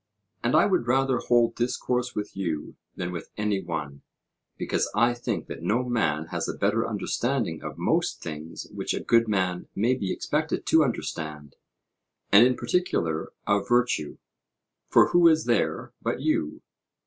And I would rather hold discourse with you than with any one, because I think that no man has a better understanding of most things which a good man may be expected to understand, and in particular of virtue. For who is there, but you?